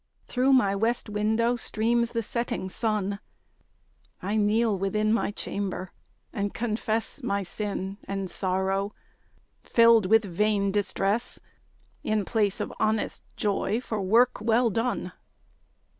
Through my west window streams the setting sun. I kneel within my chamber, and confess My sin and sorrow, filled with vain distress, In place of honest joy for work well done.